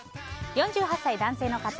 ４８歳男性の方。